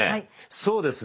そうですね